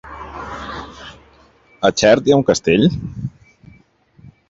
A Xert hi ha un castell?